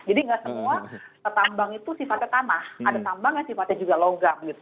jadi nggak semua pertambang itu sifatnya tanah ada tambang yang sifatnya juga logam gitu